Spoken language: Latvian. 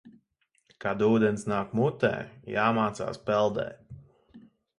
Kad ūdens nāk mutē, jāmācās peldēt.